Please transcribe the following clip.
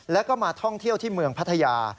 แล้วก็มาท่องเที่ยวที่เมืองพัทยา